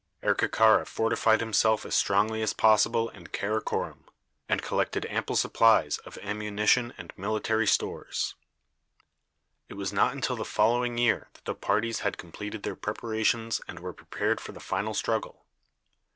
Erkekara fortified himself as strongly as possible in Karakorom, and collected ample supplies of ammunition and military stores. It was not until the following year that the parties had completed their preparations and were prepared for the final struggle.